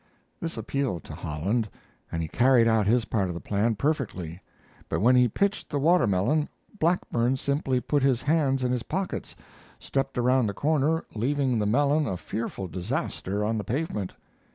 This appealed to Holland, and he carried out his part of the plan perfectly; but when he pitched the watermelon Blackburn simply put his hands in his pockets, and stepped around the corner, leaving the melon a fearful disaster on the pavement.